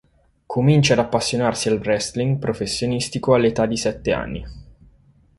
Comincia ad appassionarsi al wrestling professionistico all'età di sette anni.